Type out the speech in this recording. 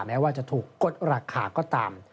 แม้ว่าจะถูกกดราคาก็ตาม